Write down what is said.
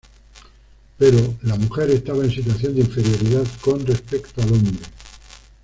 Pero, la mujer estaba en situación de inferioridad con respecto al hombre.